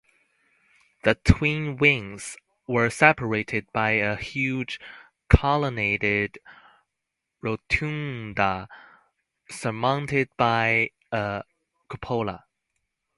The twin wings were separated by a huge colonnaded rotunda surmounted by a cupola.